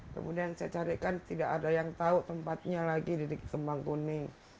kemudian saya carikan tidak ada yang tahu tempatnya lagi di kembang kuning